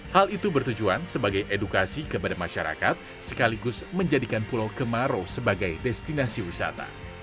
hal itu bertujuan sebagai edukasi kepada masyarakat sekaligus menjadikan pulau kemarau sebagai destinasi wisata